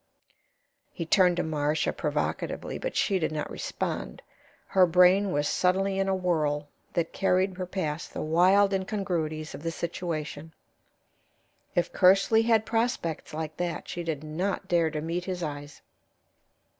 He turned to Marcia provocatively, but she did not respond. Her brain was suddenly in a whirl that carried her past the wild incongruities of the situation. If Kersley had "prospects" like that She did not dare to meet his eyes.